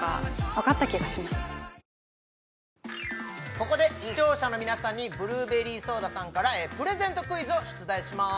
ここで視聴者の皆さんにブルーベリーソーダさんからプレゼントクイズを出題します